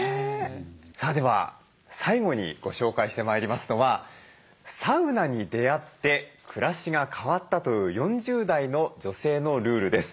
さあでは最後にご紹介してまいりますのはサウナに出会って暮らしが変わったという４０代の女性のルールです。